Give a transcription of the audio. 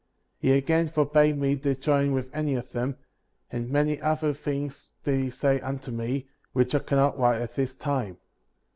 He again forbade me to join with any of them ; and many other things did he say unto me, which I cannot write at this time.